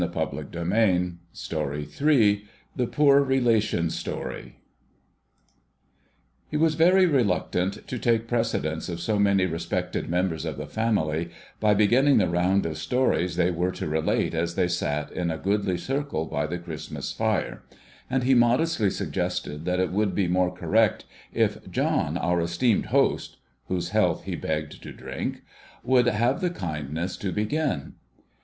THE POOR RELATION'S STORY y THE POOR RELATION S STORY He was very reluctant to take precedence of so many respected members of the family, by beginning the round of stories they were to relate as they sat in a goodly circle by the Christmas fire ; and he modestly suggested that it would be more correct if ' John our esteemed host ' (whose health he begged to drink) would have the kindness to begin.